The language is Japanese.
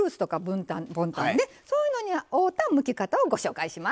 そういうのに合うたむき方をご紹介します。